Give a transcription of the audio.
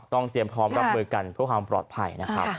ต้องเตรียมพร้อมรับเบอร์กันเพื่อความปลอดภัย